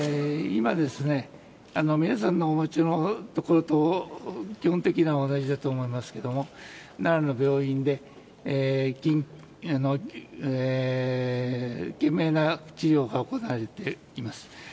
今、皆さんがお持ちのところと基本的には同じだと思いますけれども奈良の病院で懸命な治療が行われています。